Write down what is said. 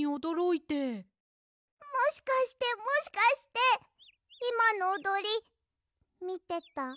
もしかしてもしかしていまのおどりみてた？